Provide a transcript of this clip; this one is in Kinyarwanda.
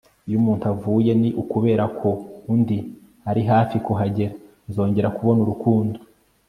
iyo umuntu avuye, ni ukubera ko undi ari hafi kuhagera - nzongera kubona urukundo